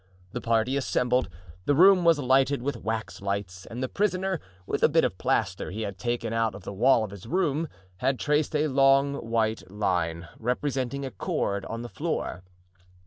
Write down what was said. The party assembled, the room was lighted with waxlights, and the prisoner, with a bit of plaster he had taken out of the wall of his room, had traced a long white line, representing a cord, on the floor.